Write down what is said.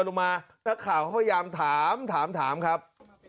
นักข่าวก็พยายามถามครับ